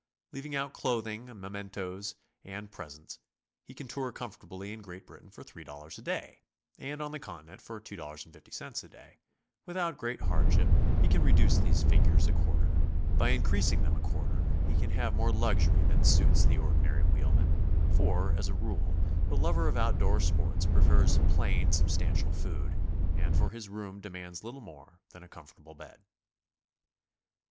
Leaving out clothing, mcment'ces and presents, he can tour comfortably in Great Britain for $3 a day and on the Continent for $2.50 a day; without great hardship he can reduce these figures a quarter; by increasing them a quarter, he can have more luxury than suits the ordinary wheelman, for, as a rule, the lover of out door sport prefers plain, substantial food, and for his room demands little more than a comfortable bed.